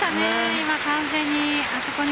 今、完全に。